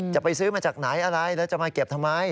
จะไปซื้อมาจากไหนอะไรแล้วจะมาเก็บทำไม